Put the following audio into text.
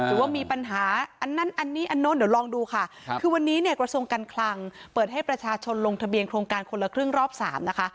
หรือว่ามีปัญหาอันนั้นอันนี้อันโน้นเดี๋ยวลองดูค่ะคือวันนี้เนี่ยกระทรวงการคลังเปิดให้ประชาชนลงทะเบียนโครงการคนละครึ่งรอบ๓นะคะ